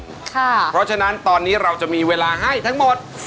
เพราะฉะนั้นตอนนี้เราจะมีเวลาให้ทั้งหมด